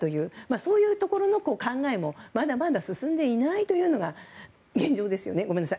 そういうところの考えもまだまだ進んでいないのが現状ですよね。